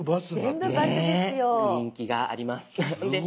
ねえ人気があります。